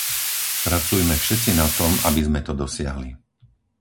Pracujme všetci na tom, aby sme to dosiahli.